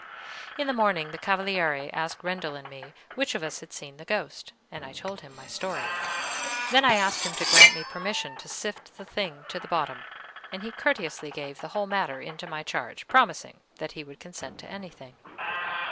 In the morning the Cavaliere asked Rendel and me which of us had seen the ghost, and I told him my story; then I asked him to grant me permission to sift the thing to the bottom; and he courteously gave the whole matter into my charge, promising that he would consent to anything.